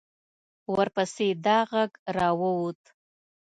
ورپسې دا غږ را ووت.